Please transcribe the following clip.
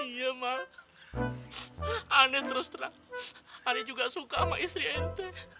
iya mang aneh terus terang aneh juga suka sama istri ente